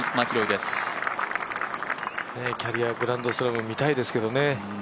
キャリアグランドスラム見たいですけどね。